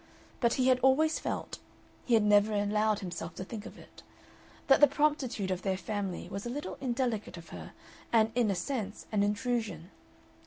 But he had always felt (he had never allowed himself to think of it) that the promptitude of their family was a little indelicate of her, and in a sense an intrusion.